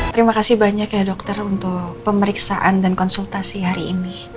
terima kasih banyak ya dokter untuk pemeriksaan dan konsultasi hari ini